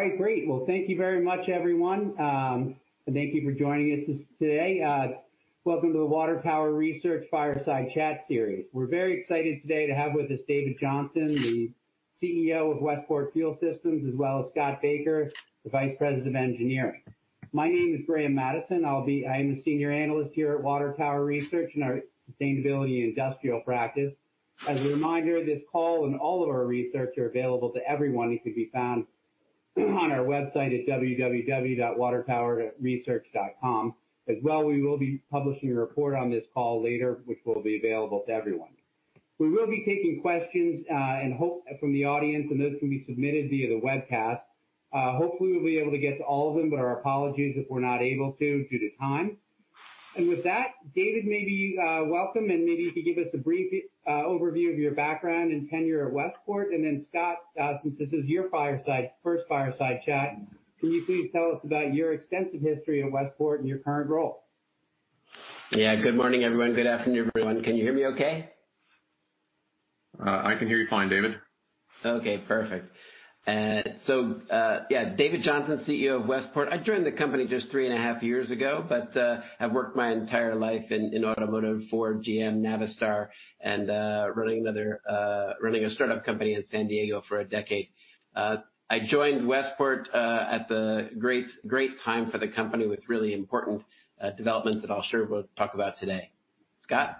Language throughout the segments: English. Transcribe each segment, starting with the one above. All right, great. Well, thank you very much, everyone, and thank you for joining us today. Welcome to the Fireside Chat series. We're very excited today to have with us David Johnson, the CEO of Westport Fuel Systems, as well as Scott Baker, the Vice President of Engineering. My name is Graham Mattison. I am the senior analyst here at in our sustainability and industrial practice. As a reminder, this call and all of our research are available to everyone and can be found on our website at www.watertowerresearch.com. As well, we will be publishing a report on this call later, which will be available to everyone. We will be taking questions from the audience, and those can be submitted via the webcast. Hopefully, we'll be able to get to all of them, but our apologies if we're not able to due to time. With that, David, maybe welcome, and maybe you could give us a brief overview of your background and tenure at Westport. Scott, since this is your first Fireside chat, can you please tell us about your extensive history at Westport and your current role? Yeah. Good morning, everyone. Good afternoon, everyone. Can you hear me okay? I can hear you fine, David. Okay, perfect. Yeah. David Johnson, CEO of Westport. I joined the company just three and a half years ago, but, I've worked my entire life in automotive, Ford, GM, Navistar, and running a startup company in San Diego for a decade. I joined Westport at the great time for the company with really important developments that I'm sure we'll talk about today. Scott?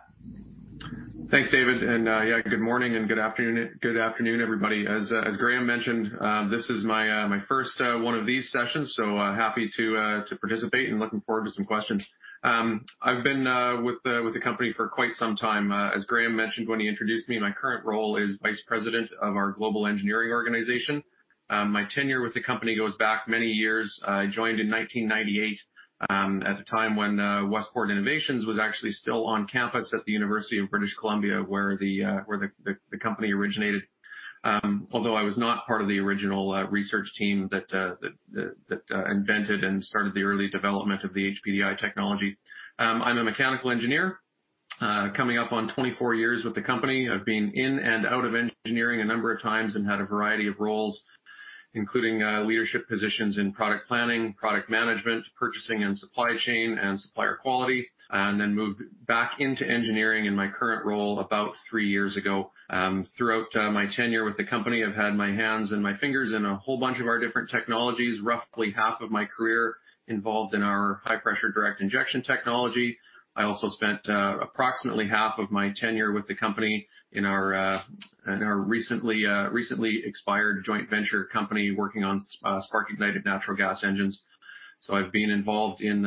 Thanks, David. Yeah, good morning and good afternoon, everybody. As Graham mentioned, this is my first one of these sessions. Happy to participate and looking forward to some questions. I've been with the company for quite some time. As Graham mentioned when he introduced me, my current role is Vice President of our global engineering organization. My tenure with the company goes back many years. I joined in 1998, at the time when Westport Innovations was actually still on campus at the University of British Columbia, where the company originated. Although I was not part of the original research team that invented and started the early development of the HPDI technology. I'm a mechanical engineer, coming up on 24 years with the company. I've been in and out of engineering a number of times and had a variety of roles, including leadership positions in product planning, product management, purchasing and supply chain, and supplier quality, and then moved back into engineering in my current role about three years ago. Throughout my tenure with the company, I've had my hands and my fingers in a whole bunch of our different technologies, roughly half of my career involved in our high-pressure direct injection technology. I also spent approximately half of my tenure with the company in our recently expired joint venture company working on spark-ignited natural gas engines. I've been involved in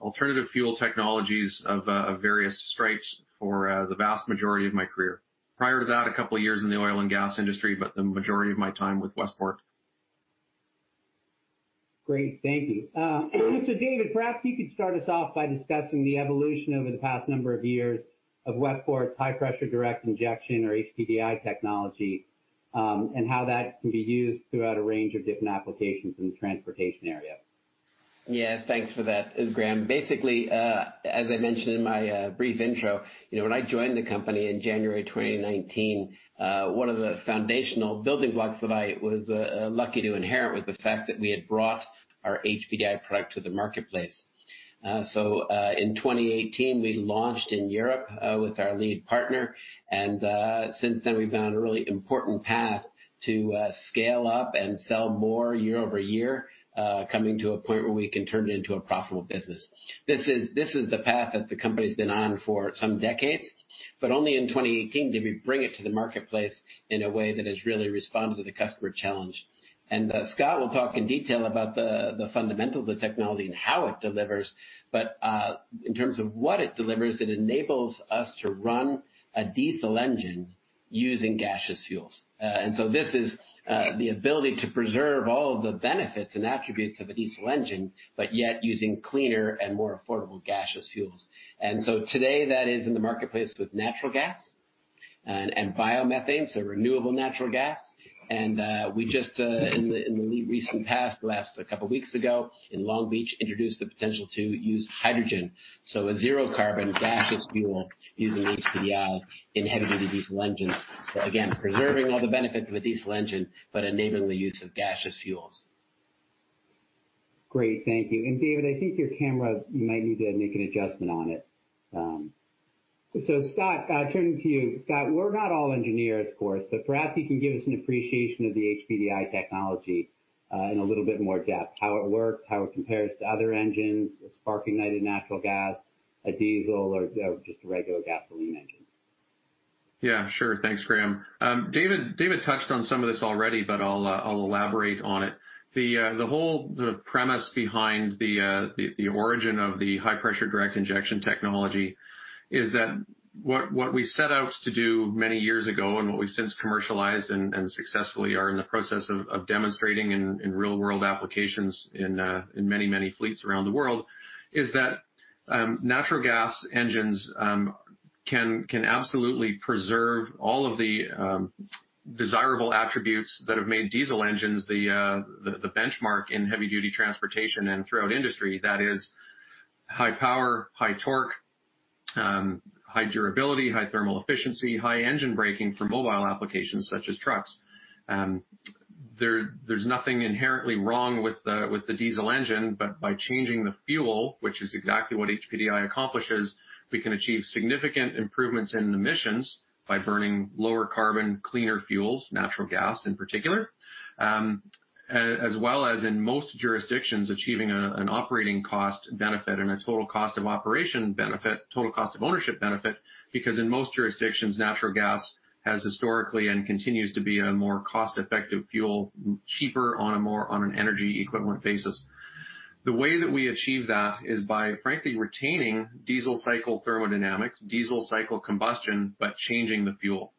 alternative fuel technologies of various stripes for the vast majority of my career. Prior to that, a couple of years in the oil and gas industry, but the majority of my time with Westport. Great. Thank you. David, perhaps you could start us off by discussing the evolution over the past number of years of Westport's high-pressure direct injection, or HPDI technology, and how that can be used throughout a range of different applications in the transportation area. Thanks for that, Graham. As I mentioned in my brief intro, when I joined the company in January 2019, one of the foundational building blocks that I was lucky to inherit was the fact that we had brought our HPDI product to the marketplace. In 2018, we launched in Europe, with our lead partner. Since then, we've been on a really important path to scale up and sell more year-over-year, coming to a point where we can turn it into a profitable business. This is the path that the company's been on for some decades, but only in 2018 did we bring it to the marketplace in a way that has really responded to the customer challenge. Scott will talk in detail about the fundamentals of technology and how it delivers. In terms of what it delivers, it enables us to run a diesel engine using gaseous fuels. This is the ability to preserve all of the benefits and attributes of a diesel engine, but yet using cleaner and more affordable gaseous fuels. Today that is in the marketplace with natural gas and biomethane, so renewable natural gas. We just, in the recent past, the last couple of weeks ago in Long Beach, introduced the potential to use hydrogen, so a zero-carbon gaseous fuel using HPDIs in heavy-duty diesel engines. Preserving all the benefits of a diesel engine, but enabling the use of gaseous fuels. Great. Thank you. David, I think your camera, you might need to make an adjustment on it. Scott, turning to you. Scott, we're not all engineers, of course, but perhaps you can give us an appreciation of the HPDI technology, in a little bit more depth, how it works, how it compares to other engines, a spark-ignited natural gas, a diesel, or just a regular gasoline engine. Yeah, sure. Thanks, Graham. David touched on some of this already, but I'll elaborate on it. The whole premise behind the origin of the high-pressure direct injection technology is that what we set out to do many years ago and what we since commercialized and successfully are in the process of demonstrating in real-world applications in many fleets around the world is that natural gas engines can absolutely preserve all of the desirable attributes that have made diesel engines the benchmark in heavy-duty transportation and throughout industry. That is high power, high torque, high durability, high thermal efficiency, high engine braking for mobile applications such as trucks. There is nothing inherently wrong with the diesel engine, but by changing the fuel, which is exactly what HPDI accomplishes, we can achieve significant improvements in emissions by burning lower carbon, cleaner fuels, natural gas in particular, as well as in most jurisdictions achieving an operating cost benefit and a total cost of operation benefit, total cost of ownership benefit, because in most jurisdictions, natural gas has historically and continues to be a more cost-effective fuel, cheaper on an energy equivalent basis. The way that we achieve that is by frankly retaining diesel cycle thermodynamics, diesel cycle combustion, but changing the fuel.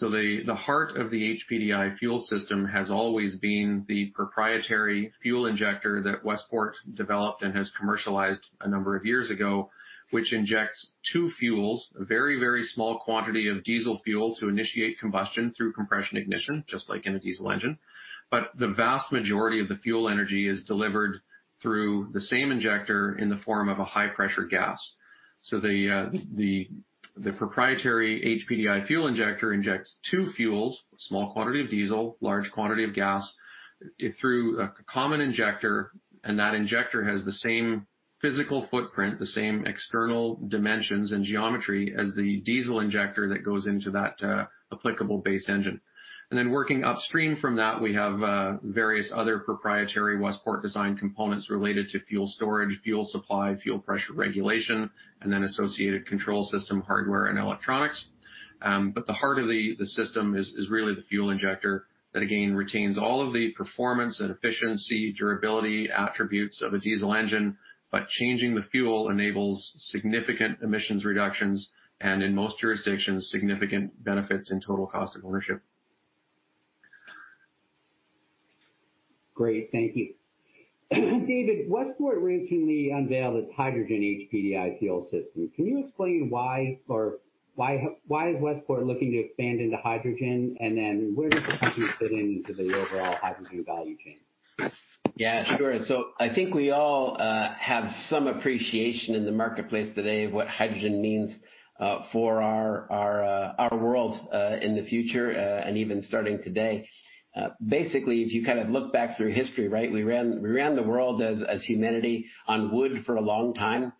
The heart of the HPDI fuel system has always been the proprietary fuel injector that Westport developed and has commercialized a number of years ago, which injects two fuels, a very, very small quantity of diesel fuel to initiate combustion through compression ignition, just like in a diesel engine. The vast majority of the fuel energy is delivered through the same injector in the form of a high-pressure gas. The proprietary HPDI fuel injector injects two fuels, a small quantity of diesel, large quantity of gas, through a common injector, and that injector has the same physical footprint, the same external dimensions and geometry as the diesel injector that goes into that applicable base engine. Working upstream from that, we have various other proprietary Westport-designed components related to fuel storage, fuel supply, fuel pressure regulation, and then associated control system hardware and electronics. The heart of the system is really the fuel injector that again, retains all of the performance and efficiency, durability attributes of a diesel engine, but changing the fuel enables significant emissions reductions and in most jurisdictions, significant benefits in total cost of ownership. Great. Thank you. David, Westport recently unveiled its hydrogen HPDI fuel system. Can you explain why is Westport looking to expand into hydrogen, and then where does hydrogen fit into the overall hydrogen value chain? Yeah, sure. I think we all have some appreciation in the marketplace today of what hydrogen means for our world in the future, and even starting today. Basically, if you kind of look back through history, we ran the world as humanity on wood for a long time,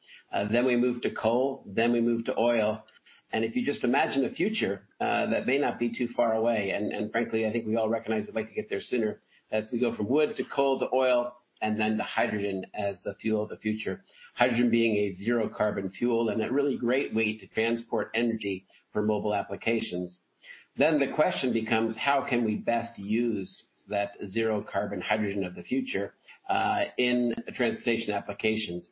then we moved to coal, then we moved to oil. If you just imagine a future that may not be too far away, and frankly, I think we all recognize it might get there sooner, as we go from wood to coal to oil and then to hydrogen as the fuel of the future, hydrogen being a zero carbon fuel and a really great way to transport energy for mobile applications. The question becomes how can we best use that zero carbon hydrogen of the future in transportation applications?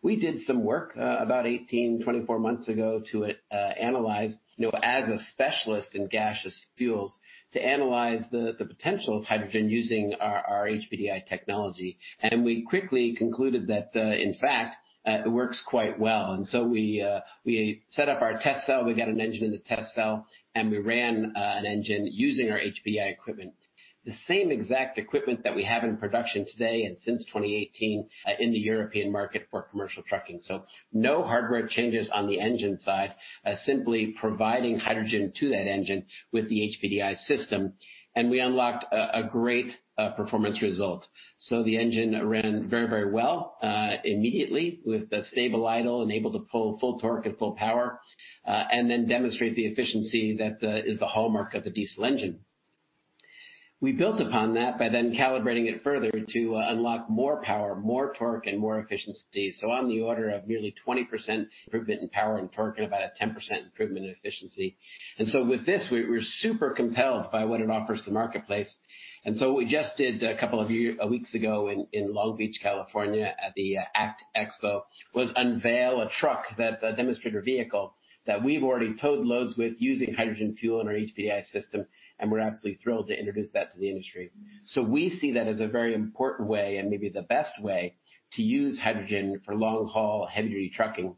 We did some work about 18, 24 months ago to analyze, as a specialist in gaseous fuels, to analyze the potential of hydrogen using our HPDI technology. We quickly concluded that in fact it works quite well. We set up our test cell, we got an engine in the test cell, and we ran an engine using our HPDI equipment, the same exact equipment that we have in production today and since 2018 in the European market for commercial trucking. No hardware changes on the engine side, simply providing hydrogen to that engine with the HPDI system, and we unlocked a great performance result. The engine ran very well immediately with a stable idle and able to pull full torque at full power, and then demonstrate the efficiency that is the hallmark of a diesel engine. We built upon that by then calibrating it further to unlock more power, more torque, and more efficiency. On the order of nearly 20% improvement in power and torque and about a 10% improvement in efficiency. With this, we're super compelled by what it offers the marketplace. What we just did a couple of weeks ago in Long Beach, California at the ACT Expo, was unveil a truck that's a demonstrator vehicle that we've already towed loads with using hydrogen fuel in our HPDI system, and we're absolutely thrilled to introduce that to the industry. We see that as a very important way and maybe the best way to use hydrogen for long haul heavy duty trucking,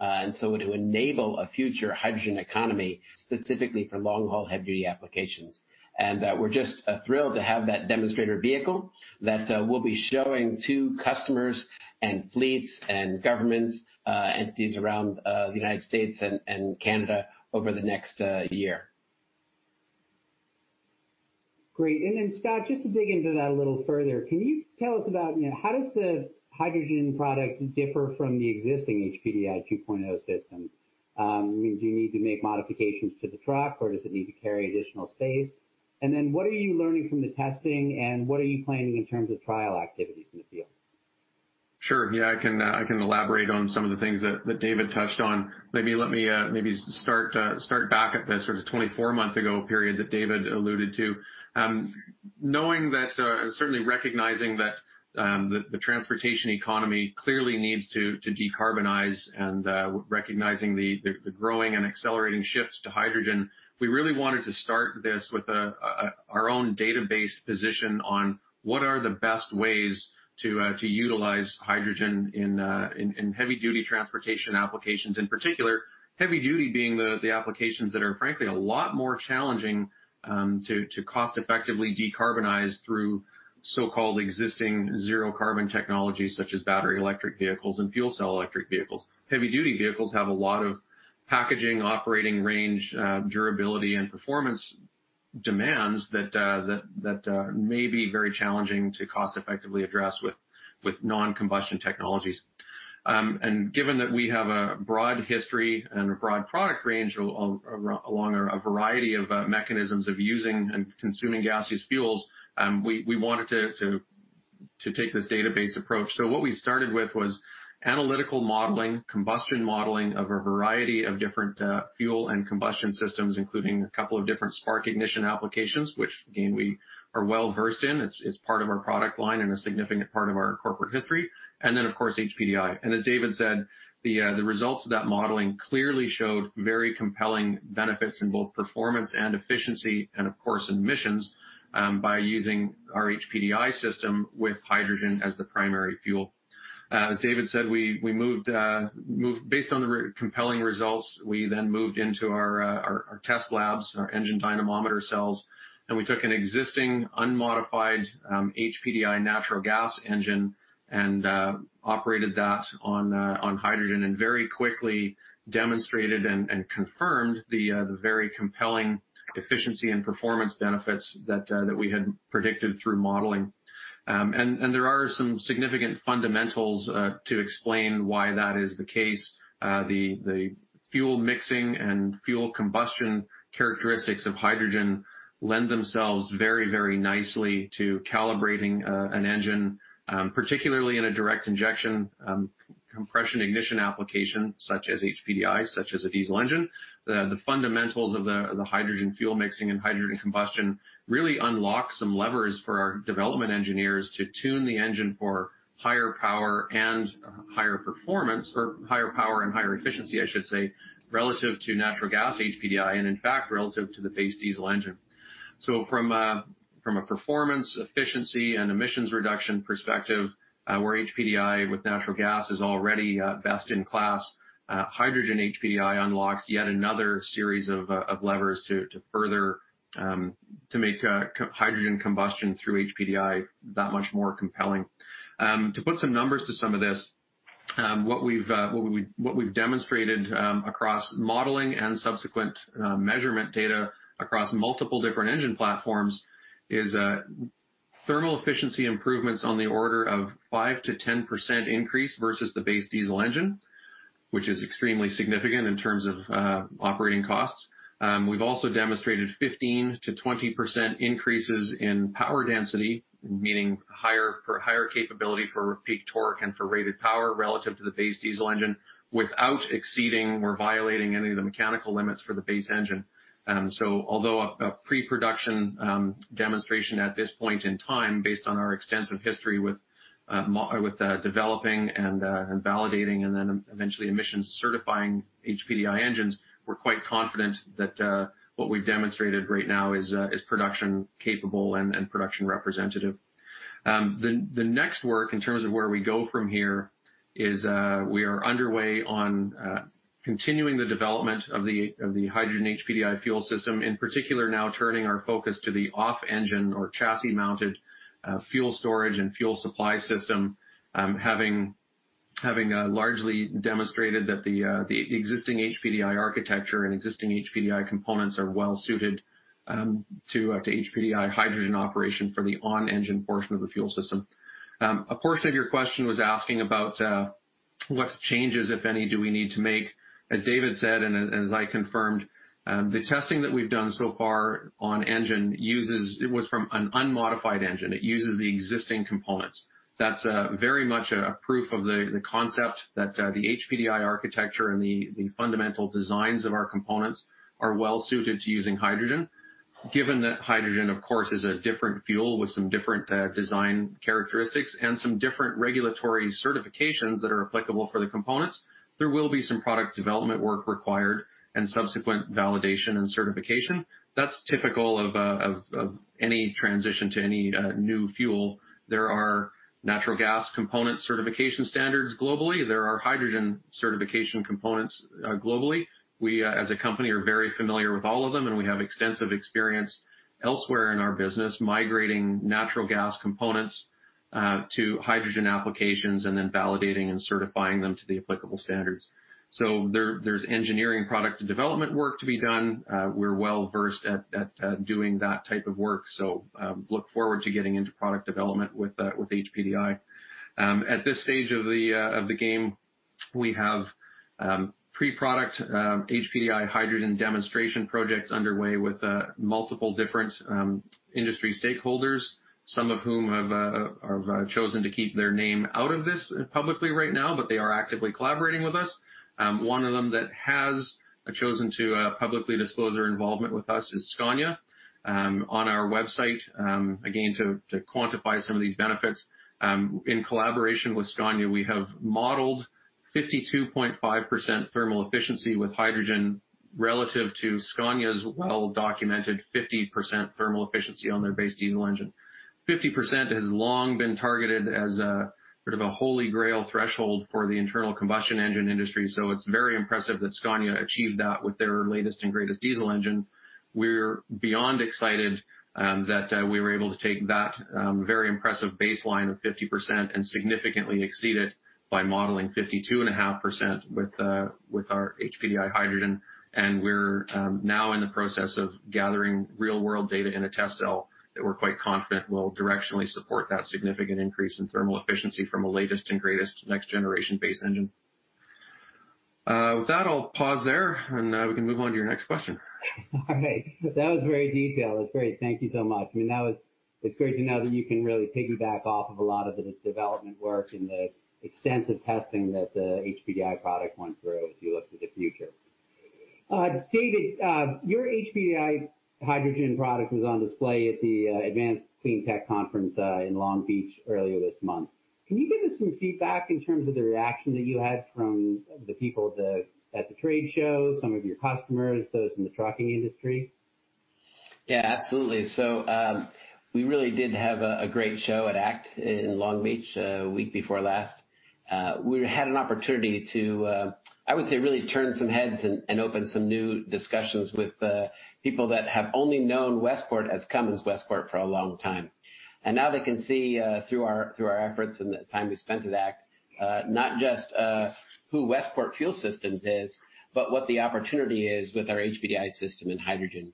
and so to enable a future hydrogen economy specifically for long haul heavy duty applications. We're just thrilled to have that demonstrator vehicle that we'll be showing to customers and fleets and government entities around the United States and Canada over the next year. Great. Scott, just to dig into that a little further, can you tell us about how does the hydrogen product differ from the existing HPDI 2.0 system? Do you need to make modifications to the truck or does it need to carry additional space? What are you learning from the testing and what are you planning in terms of trial activities in the field? Sure. Yeah, I can elaborate on some of the things that David touched on. Maybe let me start back at the sort of 24 month ago period that David alluded to. Knowing that, certainly recognizing that the transportation economy clearly needs to decarbonize and recognizing the growing and accelerating shifts to hydrogen, we really wanted to start this with our own database position on what are the best ways to utilize hydrogen in heavy duty transportation applications in particular, heavy duty being the applications that are frankly a lot more challenging to cost effectively decarbonize through so-called existing zero carbon technologies such as battery electric vehicles and fuel cell electric vehicles. Heavy duty vehicles have a lot of packaging, operating range, durability, and performance demands that may be very challenging to cost-effectively address with non-combustion technologies. Given that we have a broad history and a broad product range along a variety of mechanisms of using and consuming gaseous fuels, we wanted to take this database approach. What we started with was analytical modeling, combustion modeling of a variety of different fuel and combustion systems, including a couple of different spark ignition applications, which, again, we are well-versed in. It's part of our product line and a significant part of our corporate history. Of course, HPDI. As David said, the results of that modeling clearly showed very compelling benefits in both performance and efficiency, and of course, emissions, by using our HPDI system with hydrogen as the primary fuel. As David said, based on the compelling results, we then moved into our test labs, our engine dynamometer cells, and we took an existing unmodified HPDI natural gas engine and operated that on hydrogen and very quickly demonstrated and confirmed the very compelling efficiency and performance benefits that we had predicted through modeling. There are some significant fundamentals to explain why that is the case. The fuel mixing and fuel combustion characteristics of hydrogen lend themselves very nicely to calibrating an engine, particularly in a direct injection compression ignition application such as HPDI, such as a diesel engine. The fundamentals of the hydrogen fuel mixing and hydrogen combustion really unlock some levers for our development engineers to tune the engine for higher power and higher performance, or higher power and higher efficiency, I should say, relative to natural gas HPDI, and in fact, relative to the base diesel engine. From a performance, efficiency, and emissions reduction perspective, where HPDI with natural gas is already best in class, hydrogen HPDI unlocks yet another series of levers to make hydrogen combustion through HPDI that much more compelling. To put some numbers to some of this, what we've demonstrated across modeling and subsequent measurement data across multiple different engine platforms is thermal efficiency improvements on the order of 5%-10% increase versus the base diesel engine, which is extremely significant in terms of operating costs. We've also demonstrated 15%-20% increases in power density, meaning higher capability for peak torque and for rated power relative to the base diesel engine without exceeding or violating any of the mechanical limits for the base engine. Although a pre-production demonstration at this point in time, based on our extensive history with developing and validating and then eventually emissions certifying HPDI engines, we're quite confident that what we've demonstrated right now is production capable and production representative. The next work in terms of where we go from here is we are underway on continuing the development of the hydrogen HPDI fuel system, in particular now turning our focus to the off-engine or chassis-mounted fuel storage and fuel supply system, having largely demonstrated that the existing HPDI architecture and existing HPDI components are well suited to HPDI hydrogen operation for the on-engine portion of the fuel system. A portion of your question was asking about what changes, if any, do we need to make. As David said, and as I confirmed, the testing that we've done so far on engine, it was from an unmodified engine. It uses the existing components. That's very much a proof of the concept that the HPDI architecture and the fundamental designs of our components are well suited to using hydrogen. Given that hydrogen, of course, is a different fuel with some different design characteristics and some different regulatory certifications that are applicable for the components, there will be some product development work required and subsequent validation and certification. That's typical of any transition to any new fuel. There are natural gas component certification standards globally. There are hydrogen certification components globally. We, as a company, are very familiar with all of them, and we have extensive experience elsewhere in our business migrating natural gas components to hydrogen applications and then validating and certifying them to the applicable standards. There's engineering product development work to be done. We're well-versed at doing that type of work, so look forward to getting into product development with HPDI. At this stage of the game, we have pre-product HPDI hydrogen demonstration projects underway with multiple different industry stakeholders, some of whom have chosen to keep their name out of this publicly right now, but they are actively collaborating with us. One of them that has chosen to publicly disclose their involvement with us is Scania. On our website, again, to quantify some of these benefits, in collaboration with Scania, we have modeled 52.5% thermal efficiency with hydrogen relative to Scania's well-documented 50% thermal efficiency on their base diesel engine. 50% has long been targeted as a sort of a holy grail threshold for the internal combustion engine industry, so it's very impressive that Scania achieved that with their latest and greatest diesel engine. We're beyond excited that we were able to take that very impressive baseline of 50% and significantly exceed it by modeling 52.5% with our HPDI hydrogen, and we're now in the process of gathering real-world data in a test cell that we're quite confident will directionally support that significant increase in thermal efficiency from a latest and greatest next-generation base engine. With that, I'll pause there, and we can move on to your next question. All right. That was very detailed. That's great. Thank you so much. It's great to know that you can really piggyback off of a lot of the development work and the extensive testing that the HPDI product went through as you look to the future. David, your HPDI hydrogen product was on display at the Advanced Clean Transportation conference in Long Beach earlier this month. Can you give us some feedback in terms of the reaction that you had from the people at the trade show, some of your customers, those in the trucking industry? Yeah, absolutely. We really did have a great show at ACT in Long Beach a week before last. We had an opportunity to, I would say, really turn some heads and open some new discussions with the people that have only known Westport as Cummins Westport for a long time. Now they can see, through our efforts and the time we spent at ACT, not just who Westport Fuel Systems is, but what the opportunity is with our HPDI system and hydrogen.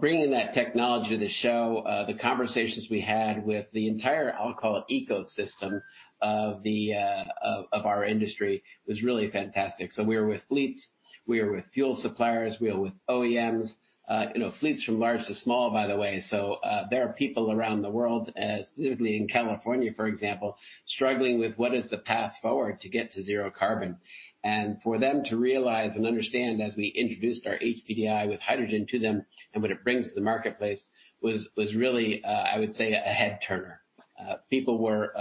Bringing that technology to the show, the conversations we had with the entire, I'll call it, ecosystem of our industry was really fantastic. We were with fleets, we were with fuel suppliers, we were with OEMs, fleets from large to small, by the way. There are people around the world, specifically in California, for example, struggling with what is the path forward to get to zero carbon. for them to realize and understand as we introduced our HPDI with hydrogen to them and what it brings to the marketplace was really, I would say, a head turner. People were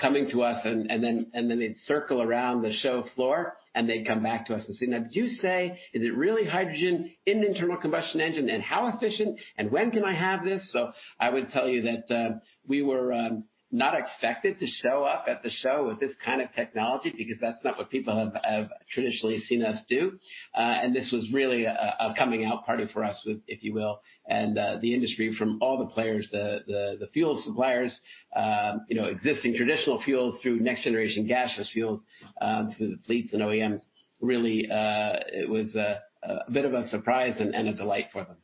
coming to us, and then they'd circle around the show floor, and they'd come back to us and say, Now, did you say, is it really hydrogen in an internal combustion engine? And how efficient, and when can I have this? I would tell you that we were not expected to show up at the show with this kind of technology because that's not what people have traditionally seen us do. This was really a coming-out party for us, if you will, and the industry from all the players, the fuel suppliers, existing traditional fuels through next-generation gaseous fuels through the fleets and OEMs. Really, it was a bit of a surprise and a delight for them.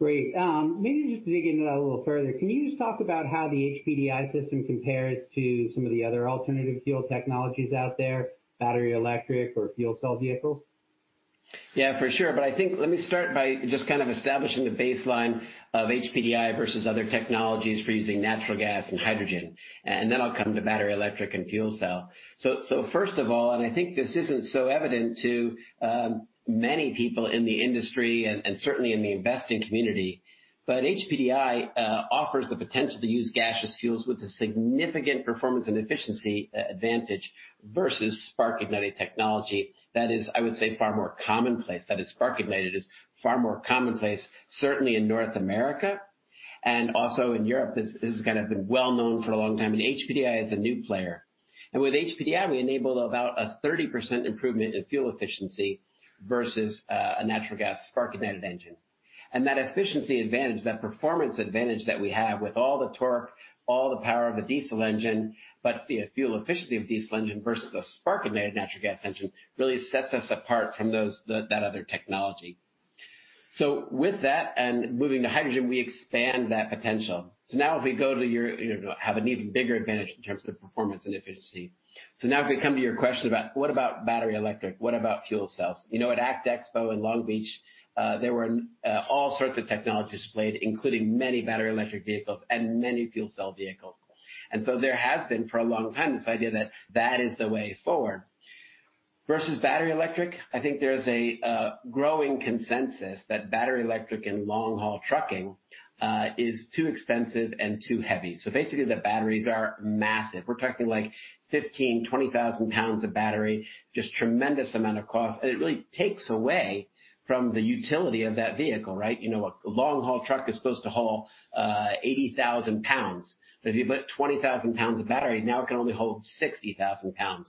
Great. Maybe just digging in a little further, can you just talk about how the HPDI system compares to some of the other alternative fuel technologies out there, battery electric or fuel cell vehicles? Yeah, for sure. I think let me start by just kind of establishing the baseline of HPDI versus other technologies for using natural gas and hydrogen, and then I'll come to battery electric and fuel cell. First of all, and I think this isn't so evident to many people in the industry and certainly in the investing community, but HPDI offers the potential to use gaseous fuels with a significant performance and efficiency advantage versus spark-ignited technology that is, I would say, far more commonplace. That is, spark-ignited is far more commonplace, certainly in North America and also in Europe. This has kind of been well-known for a long time, and HPDI is a new player. With HPDI, we enable about a 30% improvement in fuel efficiency versus a natural gas spark-ignited engine. That efficiency advantage, that performance advantage that we have with all the torque, all the power of a diesel engine, but the fuel efficiency of a diesel engine versus a spark-ignited natural gas engine really sets us apart from that other technology. with that and moving to hydrogen, we expand that potential. now we have an even bigger advantage in terms of performance and efficiency. now we come to your question about what about battery electric? What about fuel cells? At ACT Expo in Long Beach, there were all sorts of technologies displayed, including many battery electric vehicles and many fuel cell vehicles. there has been, for a long time, this idea that that is the way forward. Versus battery electric, I think there's a growing consensus that battery electric and long-haul trucking is too expensive and too heavy. Basically, the batteries are massive. We're talking like 15,000 lbs, 20,000 lbs of battery, just tremendous amount of cost. It really takes away from the utility of that vehicle, right? A long-haul truck is supposed to haul 80,000 lbs. If you put 20,000 lbs of battery, now it can only hold 60,000 lbs.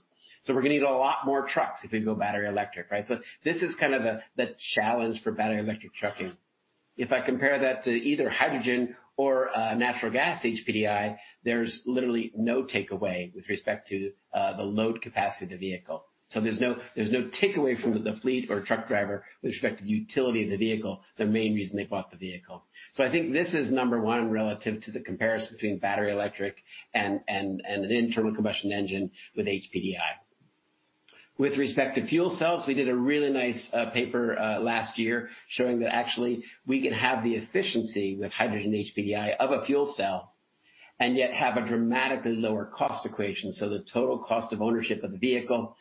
We're going to need a lot more trucks if we go battery electric, right? This is kind of the challenge for battery electric trucking. If I compare that to either hydrogen or natural gas HPDI, there's literally no takeaway with respect to the load capacity of the vehicle. There's no take away from the fleet or truck driver with respect to utility of the vehicle, the main reason they bought the vehicle. I think this is number one relative to the comparison between battery electric and an internal combustion engine with HPDI. With respect to fuel cells, we did a really nice paper last year showing that actually we can have the efficiency with hydrogen HPDI of a fuel cell and yet have a dramatically lower cost equation. The total cost of ownership of the vehicle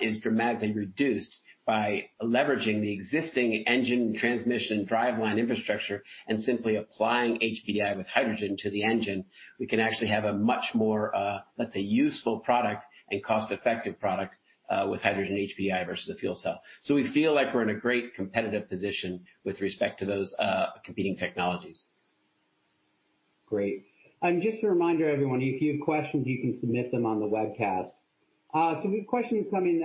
is dramatically reduced by leveraging the existing engine transmission driveline infrastructure and simply applying HPDI with hydrogen to the engine. We can actually have a much more, let's say, useful product and cost-effective product with hydrogen HPDI versus a fuel cell. We feel like we're in a great competitive position with respect to those competing technologies. Great. just a reminder, everyone, if you have questions, you can submit them on the webcast. we have questions coming.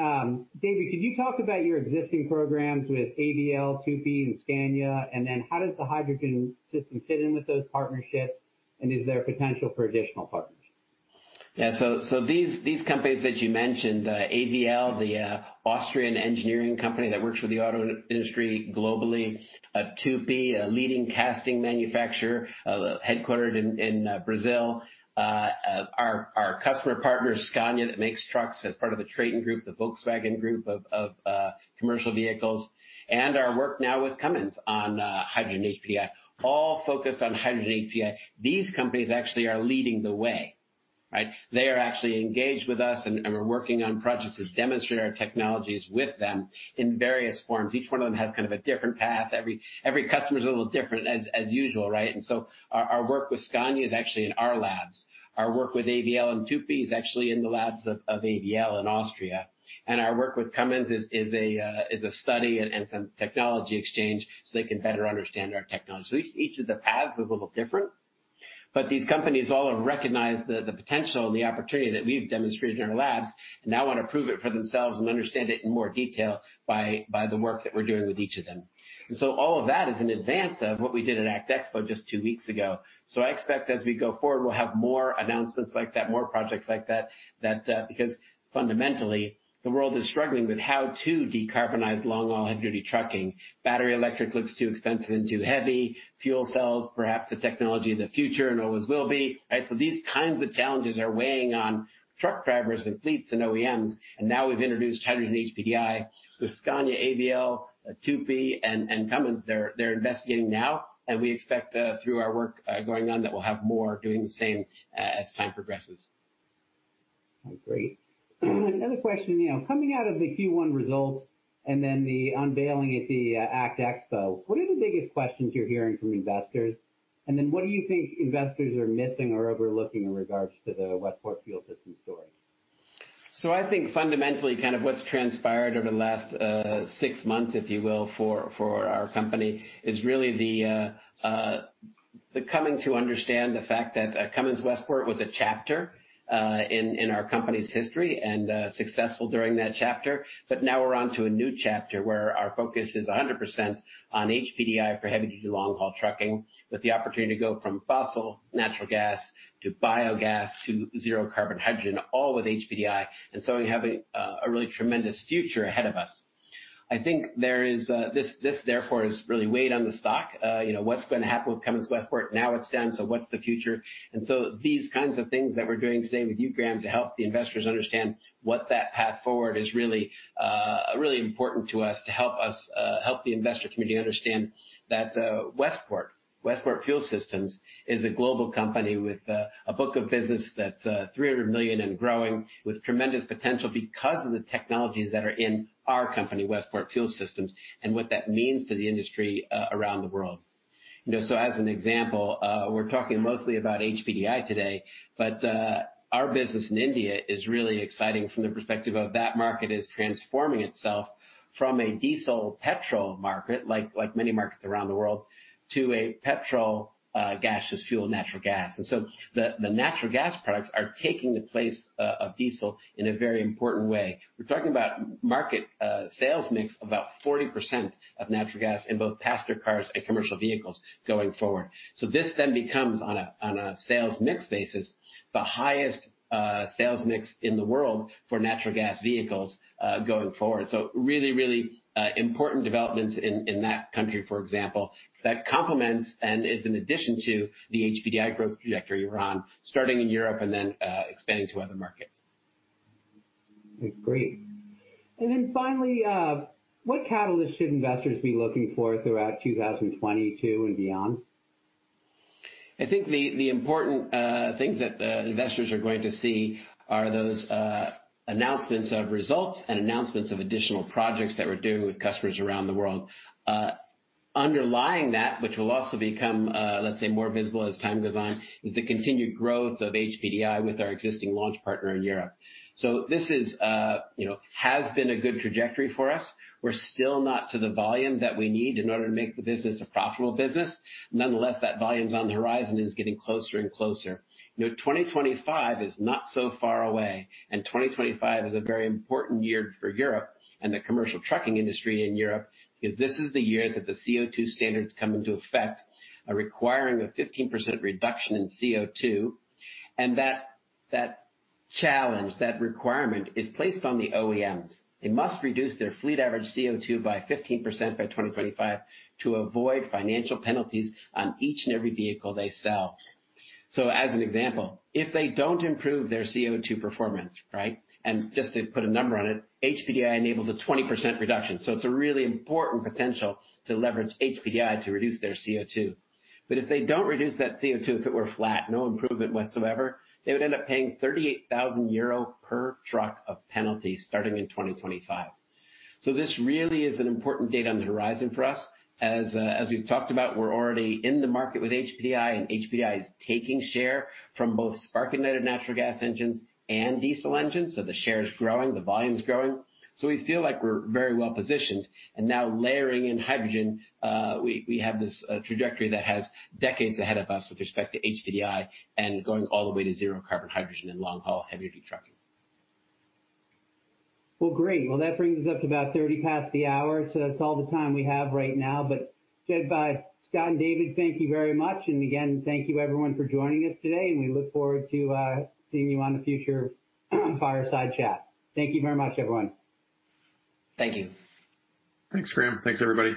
David, could you talk about your existing programs with AVL, Tupy, and Scania? then how does the hydrogen system fit in with those partnerships, and is there potential for additional partnerships? Yeah. These companies that you mentioned, AVL, the Austrian engineering company that works with the auto industry globally, Tupy, a leading casting manufacturer, headquartered in Brazil. Our customer partner, Scania, that makes trucks as part of the Traton Group, the Volkswagen Group of commercial vehicles, and our work now with Cummins on hydrogen HPDI, all focus on hydrogen HPDI. These companies actually are leading the way. They are actually engaged with us, and we're working on projects to demonstrate our technologies with them in various forms. Each one of them has kind of a different path. Every customer is a little different as usual. Our work with Scania is actually in our labs. Our work with AVL and Tupy is actually in the labs of AVL in Austria. Our work with Cummins is a study and some technology exchange so they can better understand our technology. Each of the paths are a little different, but these companies all have recognized the potential and the opportunity that we've demonstrated in our labs, now want to prove it for themselves and understand it in more detail by the work that we're doing with each of them. All of that is in advance of what we did at ACT Expo just two weeks ago. I expect as we go forward, we'll have more announcements like that, more projects like that, because fundamentally, the world is struggling with how to decarbonize long-haul heavy-duty trucking. Battery electric looks too expensive and too heavy. Fuel cells, perhaps the technology of the future and always will be. These kinds of challenges are weighing on truck drivers and fleets and OEMs. Now we've introduced hydrogen HPDI with Scania, AVL, Tupy, and Cummins. They're investigating now, and we expect through our work going on that we'll have more doing the same as time progresses. Great. Another question, coming out of the Q1 results and then the unveiling at the ACT Expo, what are the biggest questions you're hearing from investors? Then what do you think investors are missing or overlooking in regards to the Westport Fuel Systems story? I think fundamentally what's transpired over the last six months, if you will, for our company is really the coming to understand the fact that Cummins Westport was a chapter in our company's history and successful during that chapter. Now we're onto a new chapter where our focus is 100% on HPDI for heavy-duty long-haul trucking with the opportunity to go from fossil natural gas to biogas to zero carbon hydrogen, all with HPDI. We have a really tremendous future ahead of us. I think this therefore has really weighed on the stock. What's going to happen with Cummins Westport now it's done, so what's the future? These kinds of things that we're doing today with you, Graham Mattison, to help the investors understand what that path forward is really important to us to help the investor community understand that Westport Fuel Systems is a global company with a book of business that's 300 million and growing with tremendous potential because of the technologies that are in our company, Westport Fuel Systems, and what that means to the industry around the world. As an example, we're talking mostly about HPDI today, but our business in India is really exciting from the perspective of that market is transforming itself from a diesel petrol market, like many markets around the world, to a petrol gaseous fuel, natural gas. The natural gas products are taking the place of diesel in a very important way. We're talking about market sales mix about 40% of natural gas in both passenger cars and commercial vehicles going forward. This then becomes, on a sales mix basis, the highest sales mix in the world for natural gas vehicles going forward. Really important developments in that country, for example, that complements and is in addition to the HPDI growth trajectory we're on, starting in Europe and then expanding to other markets. Great. Finally, what catalyst should investors be looking for throughout 2022 and beyond? I think the important things that investors are going to see are those announcements of results and announcements of additional projects that we're doing with customers around the world. Underlying that, which will also become, let's say, more visible as time goes on, is the continued growth of HPDI with our existing launch partner in Europe. This has been a good trajectory for us. We're still not to the volume that we need in order to make the business a profitable business. Nonetheless, that volume on the horizon is getting closer and closer. 2025 is not so far away, and 2025 is a very important year for Europe and the commercial trucking industry in Europe, because this is the year that the CO₂ standards come into effect, requiring a 15% reduction in CO₂. That challenge, that requirement, is placed on the OEMs. They must reduce their fleet average CO₂ by 15% by 2025 to avoid financial penalties on each and every vehicle they sell. As an example, if they don't improve their CO₂ performance, and just to put a number on it, HPDI enables a 20% reduction. It's a really important potential to leverage HPDI to reduce their CO₂. If they don't reduce that CO₂, if it were flat, no improvement whatsoever, they would end up paying 38,000 euro per truck of penalty starting in 2025. This really is an important date on the horizon for us. As we've talked about, we're already in the market with HPDI, and HPDI is taking share from both spark-ignited natural gas engines and diesel engines. The share is growing, the volume is growing. We feel like we're very well positioned. Now layering in hydrogen, we have this trajectory that has decades ahead of us with respect to HPDI and going all the way to zero carbon hydrogen in long-haul heavy-duty trucking. Well, great. Well, that brings us up to about 30 past the hour, so that's all the time we have right now. goodbye. Scott and David, thank you very much. again, thank you everyone for joining us today, and we look forward to seeing you on a future Fireside chat. Thank you very much, everyone. Thank you. Thanks, Graham. Thanks, everybody.